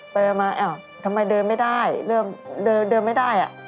ไปมาทำไมเดินไม่ได้เดินไม่ได้